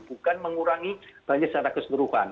bukan mengurangi banjir secara keseluruhan